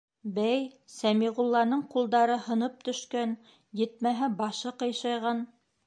Бәй, Сәмиғулланың ҡулдары һынып төшкән, етмәһә, башы ҡыйшайған...